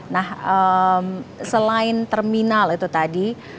nah selain terminal itu tadi